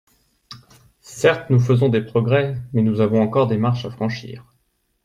Certes nous faisons des progrès, mais nous avons encore des marches à franchir.